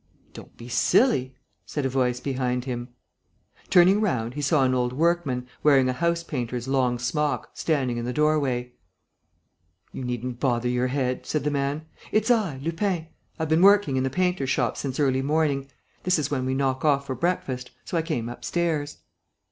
"Don't be silly," said a voice behind him. Turning round, he saw an old workman, wearing a house painter's long smock, standing in the doorway. "You needn't bother your head," said the man. "It's I, Lupin. I have been working in the painter's shop since early morning. This is when we knock off for breakfast. So I came upstairs."